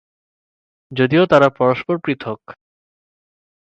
যদিও তারা পরস্পর পৃথক।